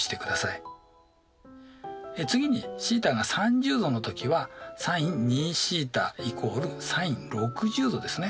次にθが３０°の時はｓｉｎ２θ＝ｓｉｎ６０°ですね